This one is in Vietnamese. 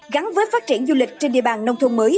gắn với phát triển du lịch trên địa bàn nông thôn mới